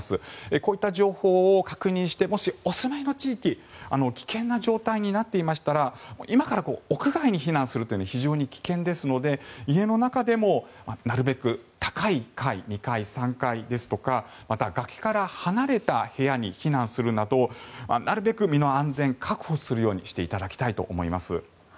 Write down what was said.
こういった情報を確認してもしお住まいの地域危険な状態になっていましたら今から屋外に避難するのは非常に危険ですので家の中でもなるべく高い階２階、３階ですとかまた、崖から離れた部屋に避難するなどなるべく身の安全を確保するようにしていただきたいと思います。